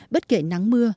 bất kể nắng mưa